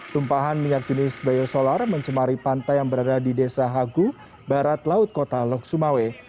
tumpahan minyak jenis biosolar mencemari pantai yang berada di desa hagu barat laut kota lok sumawe